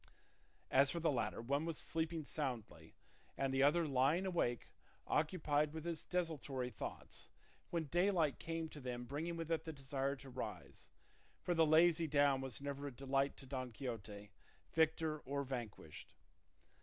As for the latter, one was sleeping soundly and the other lying awake occupied with his desultory thoughts, when daylight came to them bringing with it the desire to rise; for the lazy down was never a delight to Don Quixote, victor or vanquished.